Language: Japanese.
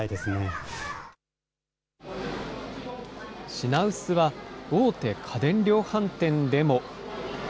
品薄は大手家電量販店でも。